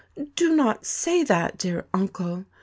"Do not say that, dear uncle!